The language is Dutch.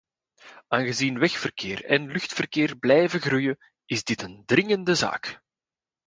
Aangezien wegverkeer en luchtverkeer blijven groeien is dat een dringende taak.